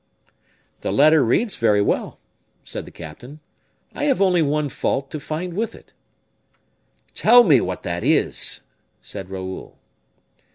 "The letter reads very well," said the captain. "I have only one fault to find with it." "Tell me what that is!" said Raoul.